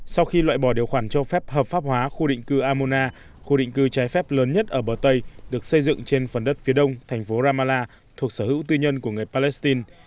sau khi loại bỏ điều khoản cho phép hợp pháp hóa khu định cư amona khu định cư trái phép lớn nhất ở bờ tây được xây dựng trên phần đất phía đông thành phố ramallah thuộc sở hữu tư nhân của người palestine